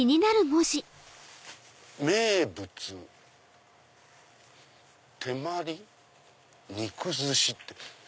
「名物手毬肉寿司」って。